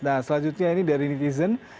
nah selanjutnya ini dari netizen